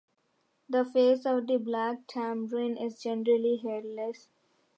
The face of the black tamarin is generally hairless.